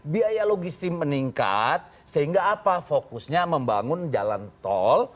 biaya logistik meningkat sehingga apa fokusnya membangun jalan tol